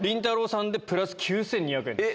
さんでプラス９２００円です。